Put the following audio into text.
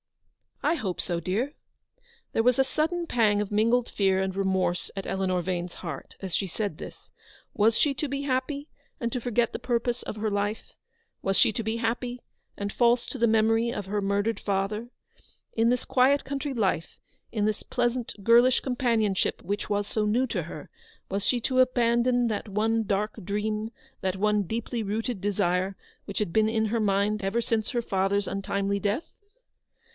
" I hope so, dear." There was a sudden pang of mingled fear and remorse at Eleanor Vane's heart as she said this. Was she to be happy, and to forget the purpose of her life ? Was she to be happy, and false to the memory of her murdered father ? In this quiet country life ; in this pleasant girlish com panionship which was so new to her ; was she to abandon that one dark dream, that one deeply HAZLEW00D. 267 rooted desire which had been in her mind ever since her father's untimely death